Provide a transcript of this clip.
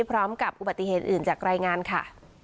พร้อมกับอุบัติเหตุอื่นจากรายงานค่ะ